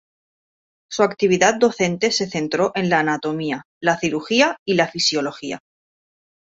Su actividad docente se centró en la anatomía, la cirugía y la fisiología.